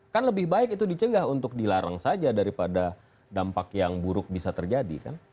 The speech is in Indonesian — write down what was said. kan lebih baik itu dicegah untuk dilarang saja daripada dampak yang buruk bisa terjadi kan